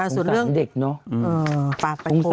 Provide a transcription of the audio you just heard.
สงสารเด็กเนอะ